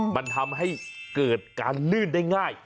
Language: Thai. มันทำให้เกิดการลื่นได้ง่าย